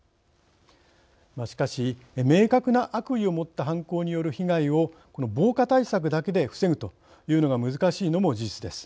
しかし明確な悪意を持った犯行による被害をこの防火対策だけで防ぐというのが難しいのも事実です。